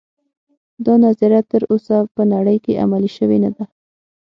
دا نظریه تر اوسه په نړۍ کې عملي شوې نه ده